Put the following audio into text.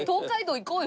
行こうよ。